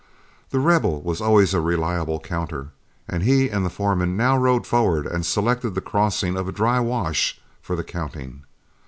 The Rebel was always a reliable counter, and he and the foreman now rode forward and selected the crossing of a dry wash for the counting.